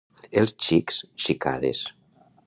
Els xics, xicades.